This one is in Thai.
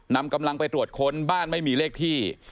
นำกำลังไปตรวจค้นบ้านไม่มีเลขที่